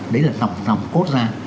đấy là nòng nòng cốt ra